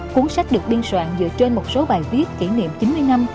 cuốn sách được biên soạn dựa trên một số bài viết kỷ niệm chín mươi năm